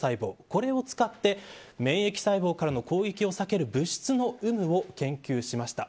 これを使って免疫細胞からの攻撃を避ける物質の有無を研究しました。